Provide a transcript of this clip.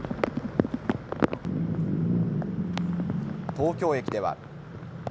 東京駅では。